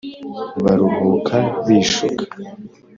Baruhuka bishuka